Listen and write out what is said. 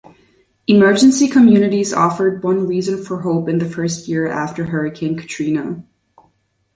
Emergency Communities offered one reason for hope in the first year after Hurricane Katrina.